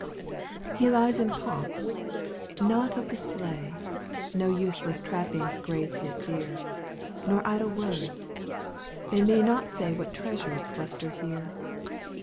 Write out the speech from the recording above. He lies in pomp not of display No useless trappings grace his bier, Nor idle words they may not say What treasures cluster here.